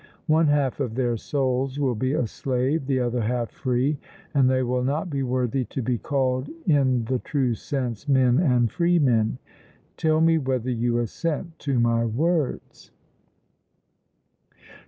One half of their souls will be a slave, the other half free; and they will not be worthy to be called in the true sense men and freemen. Tell me whether you assent to my words?